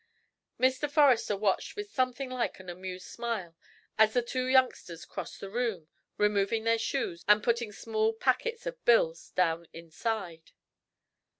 Mr. Forrester watched with something like an amused smile as the two youngsters crossed the room, removing their shoes, and putting small packets of bills down inside.